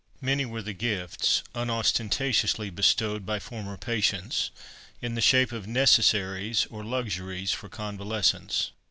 Many were the gifts, unostentatiously bestowed, by former patients in the shape of necessaries or luxuries for convalescents.